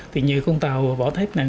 thì như con tàu vỏ thép này